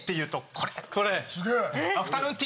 これ！